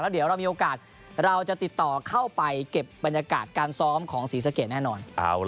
เดี๋ยวเรามีโอกาสเราจะติดต่อเข้าไปเก็บบรรยากาศการซ้อมของศรีสะเกดแน่นอน